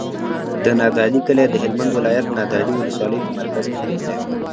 د نادعلي کلی د هلمند ولایت، نادعلي ولسوالي په مرکز کې پروت دی.